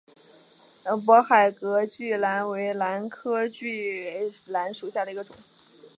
勐海隔距兰为兰科隔距兰属下的一个种。